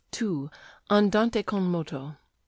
Andante con moto 3.